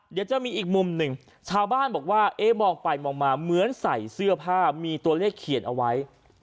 เดี๋ยวจะมีอีกมุมหนึ่งชาวบ้านบอกว่าเอ๊ะมองไปมองมาเหมือนใส่เสื้อผ้ามีตัวเลขเขียนเอาไว้